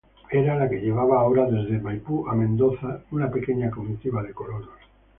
Era la que llevaba ahora desde Maipú a Mendoza, una pequeña comitiva de colonos.